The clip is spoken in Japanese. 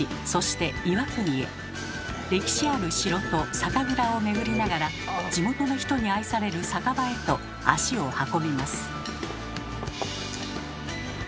歴史ある城と酒蔵を巡りながら地元の人に愛される酒場へと足を運びます。